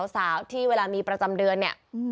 สาวที่เวลามีประจำเดือน